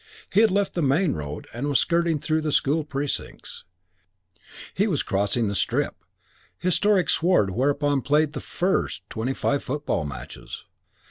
He had left the main road and was skirting through the school precincts. He was crossing The Strip, historic sward whereon were played the First XV football matches.